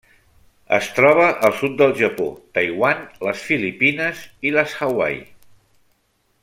Es troba al sud del Japó, Taiwan, les Filipines i les Hawaii.